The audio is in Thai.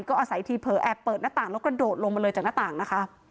ก็อาศัยทีเผลอแอบเปิดหน้าต่างแล้วกระโดดลงมาเลยจากหน้าต่างนะคะ